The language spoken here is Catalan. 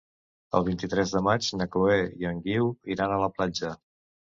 El vint-i-tres de maig na Chloé i en Guiu iran a la platja.